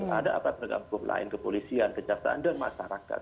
tidak ada apa apa bergabung lain ke polisian ke captaan dan masyarakat